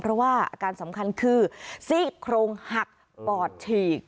เพราะว่าอาการสำคัญคือซี่โครงหักปอดฉีก